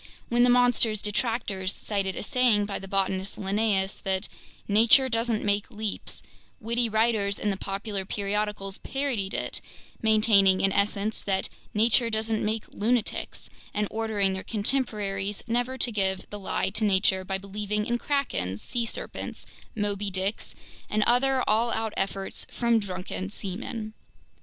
When the monster's detractors cited a saying by the botanist Linnaeus that "nature doesn't make leaps," witty writers in the popular periodicals parodied it, maintaining in essence that "nature doesn't make lunatics," and ordering their contemporaries never to give the lie to nature by believing in krakens, sea serpents, "Moby Dicks," and other all out efforts from drunken seamen.